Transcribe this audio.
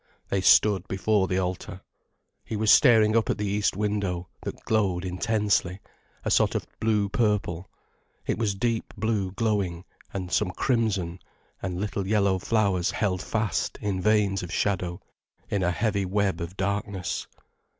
They stood before the altar. He was staring up at the east window, that glowed intensely, a sort of blue purple: it was deep blue glowing, and some crimson, and little yellow flowers held fast in veins of shadow, in a heavy web of darkness.